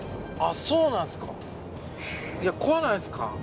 あっそうなんすか？